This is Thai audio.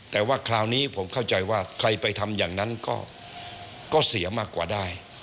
แต่ว่าคราวนี้ผมเข้าใจว่าใครไปทำอย่างนั้นก็เสียมากกว่าได้